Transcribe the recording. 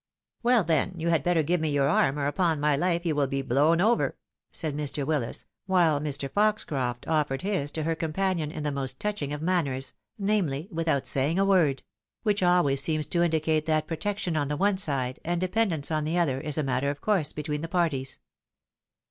" Well, then, you had better give me your arm, or upon my life you will be blown over," said Mr. Willis, while Mi. Fox croft offered his to her companion in the most touching of manners, namely, without saying a word ; which always seems to indicate that protection on the one side, and dependence on the other, is a matter of course between the parties.